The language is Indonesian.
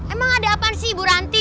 emang ada apaan sih ibu ranti